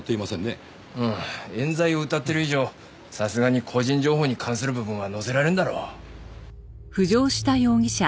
うん冤罪をうたってる以上さすがに個人情報に関する部分は載せられんだろう。